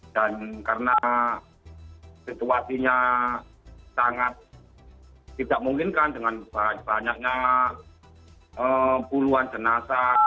dan karena situasinya sangat tidak mungkin kan dengan banyaknya puluhan jenazah